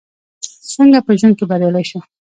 څنګه په ژوند کې بريالي شو ؟